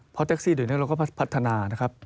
เพราะแท็กซี่เดี๋ยวนี้เราก็พัฒนานะครับ